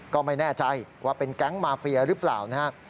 ก็ไม่แน่ใจว่าเป็นแก๊งมาเฟียหรือเปล่านะครับ